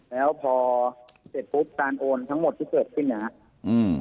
แล้วพอเสร็จปุ๊บการโอนทั้งหมดที่เกิดขึ้นเนี่ยครับ